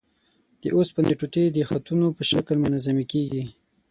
د اوسپنې ټوټې د خطونو په شکل منظمې کیږي.